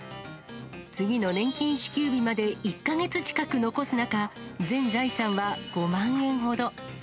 次の年金支給日まで１か月近く残す中、全財産は５万円ほど。